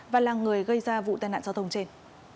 và là người gây ra vụ tai nạn giao thông trên